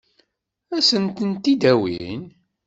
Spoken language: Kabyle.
Ad sen-ten-id-awin?